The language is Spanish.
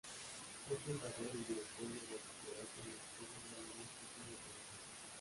Fue fundador y director del Bachillerato nocturno del municipio de Colima.